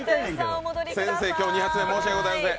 先生、今日２発目、申し訳ございません。